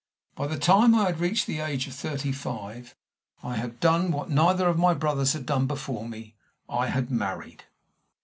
By the time I had reached the age of thirty five, I had done what neither of my brothers had done before me I had married.